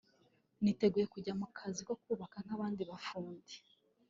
niteguye kujya mu kazi ko kubaka nk’abandi bafundi